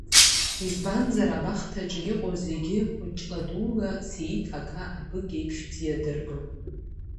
Избанзар абахҭаҿы иҟоу зегьы хәыҷла-дула Сеиҭ Ага абык иеиԥш бзиа дырбон.